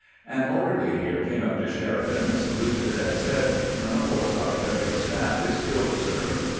An orderly here came up to Sheridan, saluted, and said :" Colonel Forsyth of your staff is killed, sir."